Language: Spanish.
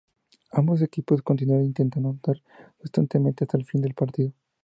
Ambos equipos continuaron intentando anotar constantemente hasta el fin del partido.